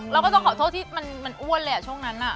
เราก็ต้องขอโทษที่มันอ้วนเลยช่วงนั้น